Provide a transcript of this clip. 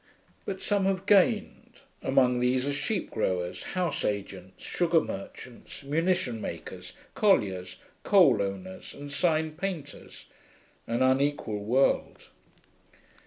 But some have gained; among these are sheep growers, house agents, sugar merchants, munition makers, colliers, coal owners, and sign painters. An unequal world.